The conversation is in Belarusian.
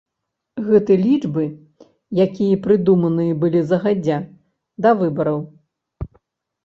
Гэта лічбы, якія прыдуманыя былі загадзя, да выбараў.